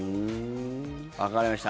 わかりました。